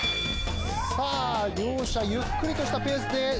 さあ両者ゆっくりとしたペースで。